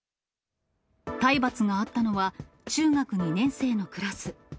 体罰があったのは、中学２年生のクラス。